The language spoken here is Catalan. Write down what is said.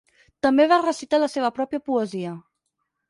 També va recitar la seva pròpia poesia.